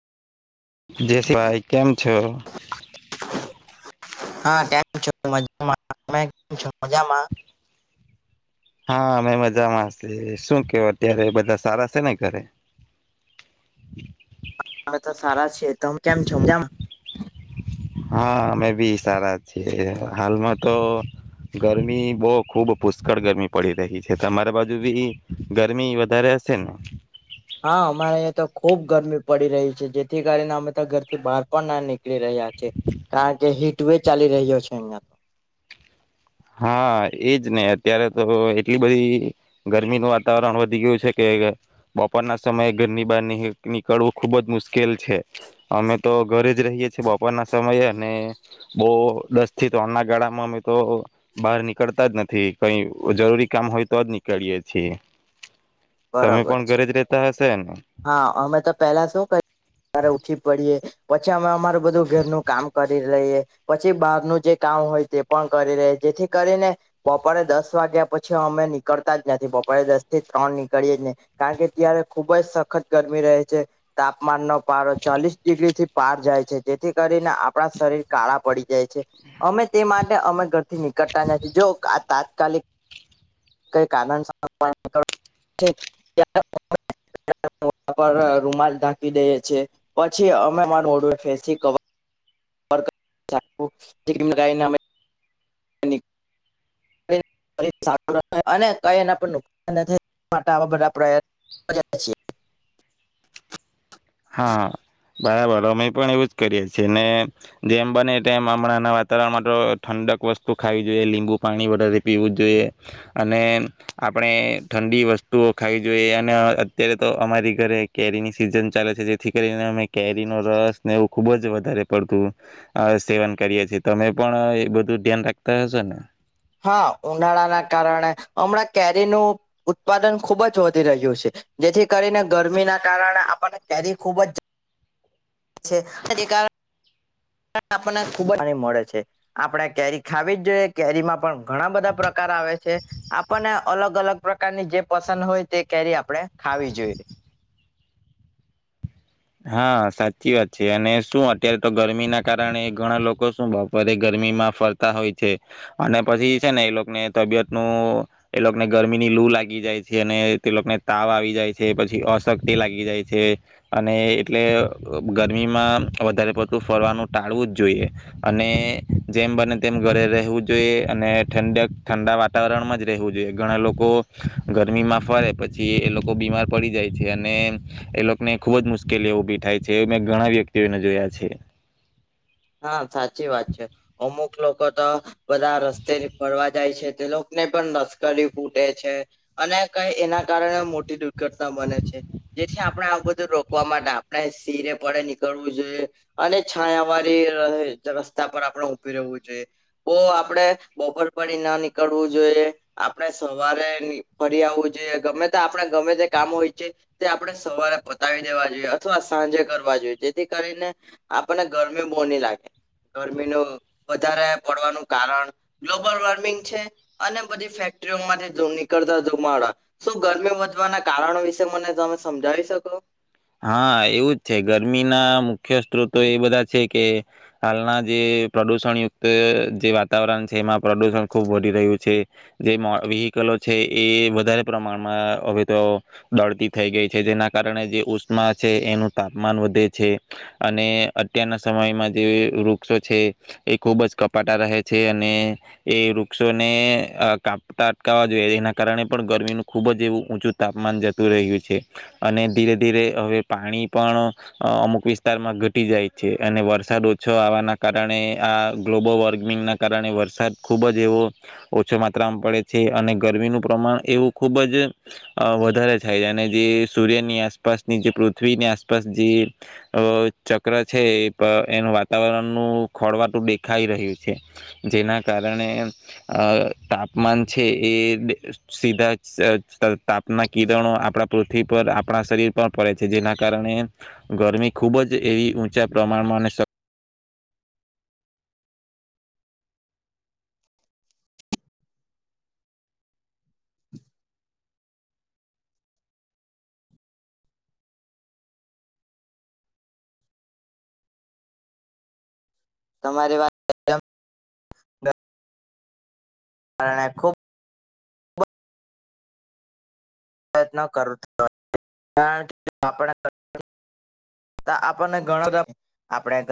જયેશ ભાઈ કેમ. છો. હા કેમ છો મજા મા. હા મેં મજામા સે શું. કે અત્યારે એ બધા સારા છે ને ઘરે. એ તો સારા છે. તો કેમ છો મજામા? હા અમે બી સારા. જે હાલમાં તો. ગરમી બહ ખુબ પુષ્કળ ગરમી પડી રહી છે તમારા બાજુ બી ગરમી વધારે હશે ને. હા અમારે અહં તો ખુબ ગરમી પડી રહી છે જેથી કારણે અમે તો ઘરથી બહાર પણ ના નીકડી યે. લી રહ્યા છે કારણ કે હ. ધ્વેચાલી રહ્યો છે. અહિયાં તો. હા એજ ને અત્યારે તો એટલી બધી ગરમીનું વાતાવરણ વધી ગયું છે. કે બપોરના સમયે ઘરની બહાર ની નીકળવું ખુબ જ મુશ્કેલ છે. અમે તો ઘરે જ રહીએ છીએ બપોરના સમયે અને બહુ દસ થી ત્રણ ના ગાળામાં અમે તો. બહાર નીકળતા જ નથી કઈ જરૂરી કામ હોય તો જ નીકળીય છીએ. તમે બરાબર પણ છે. ઘરે જ રેતા હશે ને હા અમે તો પેલા શુંકરવા ઉઠી પડીએ. પછી અમે અમારું બધું ઘરનું. કામ કરી રહીએ પછી બહારનું જે કામ હોય તે પણ કરી રહીએ જેથી કરીને બપોરે દસ વાગ્યા પછી અમે નીકળતા જ નથી બપોરે દસ થી ત્રણ ની. કરીએ જ નહી કારણ કે ત્યારે ખુબ જ સખત ગરમી રહે છે તાપમાનનો પારો ચાલીસ ડિગ્રીથી પાર જાય છે જેથી કરીને આપણા શરીર કાળા પડી જાય છે. અમે તે માટે અમે ઘરથી નીકળતા નથી. જોવો આ તાપ ને. તાતકાલીિક. [inaudible] કઈક કારણ સર અમારી પોતાનું મોઢું રૂમાલ ઢાંકી દઈએ છે. પછી અમે માર ઓડ ફેસી. [unintelligible] અરે સારા અને કઈ એના પર નુકસાન માટે આવા બધા પ્રયત્નનો કરીએ છીએ. હા બરાબર અમે પણ એવું જ કરીએ છીએ જેમ બને તેમ હમણાંના વાતાવરણમાં તો ઠંડક વસ્તુ ખ જોઈએ લીંબુ પાણી વારે પીવું જોઈએ અને આપણે ઠંડી વસ્તુઓ ખાવી જોઈએ અને અત્યારે તો અમારી ઘરે કેરીની સિઝન. ચાલે છે જેથી કરીને અમે કેરી નો રસ ને એવું ખુબ જ વધારે પડતું સેવન કરીએ છીએ તમે પણ એ બધું ધ્યાન રાખતા હશો ને. હા ઉનાળાના કારણે હમણાં કેરીનું ઉત્પાદન ખુબ જ વધી રહ્યું છે જેથી કરીને ગરમીના કારણે આપણને કેરી ખૂબ જ. કારણ આપણને ખૂબ જ મળે છે આપણે કેરી ખાવી જ જોઈએ કેરીમાં પણ ઘણા બધા પ્રકાર આવે છે આપણને અલગ અલગ પ્રકારની જે પસંદ હોય તે કેરી આપણે ખાવી જોઈએ. હા સાચી વાત છે અને શું અત્યારે તો ગરમી ના કારણે ઘણા લોકો શું બપોરે ગરમીમાં ફરતા હોય છે અને પછી છે ને એ લોકોને તબિયત નું એ લોકોને ગરમી ની લૂ લાગી જાય છે અને તે લોકોને તાવ આવી જાય છે પછી અશક્તિ લાગી જાય છે. અને એટલે ગરમીમાં વધારે પડતું ફરવાનું ટાળવું જ જોઈએ અને જેમ બને તેમ ઘરે રહેવું જોઈએ અને ઠંડક ઠંડા વાતાવરણમાં જ રહેવું જોઈએ ઘણા લોકો ગરમીમાં ફરે પછી એ લોકો બીમાર પડી જાય છે અને એ લોકને. ખુબ જ મુશ્કેલી એ ઉભી થાય છે મેં ઘણા વ્યક્તિઓને જોયા છે. હા સાચી વાત છે અમુક લોકો તો બધા રસ્તે ફરવા જાય છે તે લોકોને પણ નશ્કરી ફૂટે છે અને કઈ એના કારણે મોટી દુર્ઘટના બને છે જેથી આપણે આ બધું રોકવા માટે આપણે સિરે પડે નીકળવું જોઈએ અને છાયાવા. રસ્તા પર આપણે ઉભી રહેવું જોઈએ તો આપણે બપોર પડી ના નીકળવું જોઈએ આપણે સવારે ફરી આવવું જોઈએ ગમે તે આપણે ગમે તે કામ હોયએ તે આપણે સવારે પતાવી દેવા જોઈએ અથવા સાંજે કરવા જોઈએ. જેથી કરીને આપણેર. ગમી બહુના લાગે ગરમીનું વધારે પડવાનું કારણ ગ્લોબલ વોર્મિંગ છે. અને બધી ફેક્ટરીઓમાંથી નીકળતા જમા શું ગરમી વધવાના કારણો વિશે મને તમે સમજાવી શકો. હા એવું જ છે ગરમીના મુખ્ય સ્ત્રોતો એ બધા છે કે હાલના જે પ્રદુષણયુક્ત જે વાતાવરણ છે એમાં પ્રદુષણ ખૂબ વધી રહ્યું છે જે વ્હીકલો છે એ વધારે પ્રમાણમાં હવે તો દડતી થઈ ગઈ છે જેના કારણે જે. માં છે એનું તાપમાન વધે છે અને અત્યારના સમયમાં જે વૃક્ષો છે એ ખૂબ જ કપા તા રહે છે. અને એ વૃક્ષોને કાપતા અટકાવવા જોઈએ એના કારણે પણ ગરમીનું ખૂબ જ એવું ઊંચું તાપમાન જતું રહ્યું છે અને ધીરે ધીરે. હવે પાણી પણ અમુક વિસ્તારમાં ઘટી જાય છે અને વરસાદ ઓછો આવવાના કારણે આ ગ્લોબલ વોર્મિંગના કારણે વરસાદ ખૂબ જ એવો ઓછો માત્રામાં પડે છે અને ગરમીનું પ્રમાણ એવું ખૂબ જ વધારે થાય છે અને જે સૂર્યની આસપાસ. ની જે પૃથ્વીની આસપાસ જે ચક્ર છે એનું વાતાવરણનું ખોળવાટું દેખાઈ રહ્યું છે જેના કારણે તાપમાન છે એ સીધા તાપના કિરણો આપણા પૃથ્વી પર આપણા શરીર પર. પડે છે જેના કારણે ગરમી ખૂબ જ એવી ઊંચા પ્રમાણમાં અને. તમારી વાત. કારણ ખૂબ. પ્રયન કર આપણને ઘણોધર આપણે.